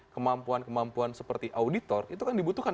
kemampuan kemampuan seperti auditor itu kan dibutuhkan